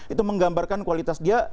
itu menggambarkan kualitas dia